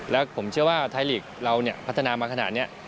แล้วผมเชื่อว่าไทยลีกเราพัฒนามาขนาดนี้